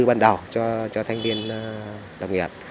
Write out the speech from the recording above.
ban đầu cho thanh niên đồng nghiệp